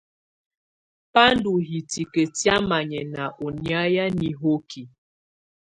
Bá ndɔ̀ hìtìkǝ tɛ̀á manyɛ̀nà ɔ̀ nyɛ̀á nihokí.